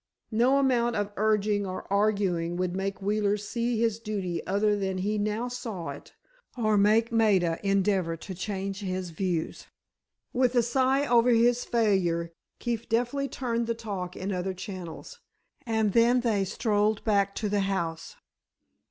No amount of urging or arguing would make Wheeler see his duty other than he now saw it, or make Maida endeavor to change his views. With a sigh over his failure, Keefe deftly turned the talk in other channels, and then they strolled back to the house.